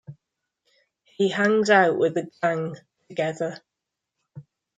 He hangs out with the gang together.